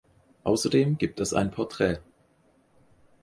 Außerdem gibt es ein Porträt.